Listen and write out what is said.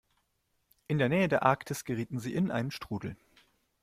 In der Nähe der Arktis gerieten sie in einen Strudel.